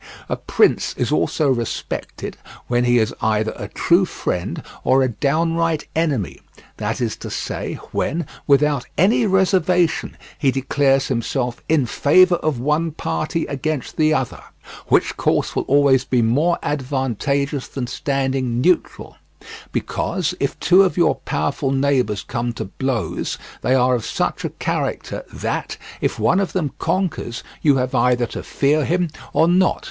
A prince is also respected when he is either a true friend or a downright enemy, that is to say, when, without any reservation, he declares himself in favour of one party against the other; which course will always be more advantageous than standing neutral; because if two of your powerful neighbours come to blows, they are of such a character that, if one of them conquers, you have either to fear him or not.